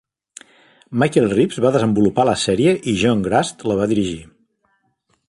Michael Reaves va desenvolupar la sèrie i John Grusd la va dirigir.